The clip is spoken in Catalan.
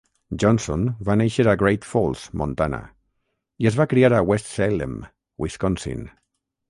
Johnson va néixer a Great Falls, Montana, i es va criar a West Salem, Wisconsin.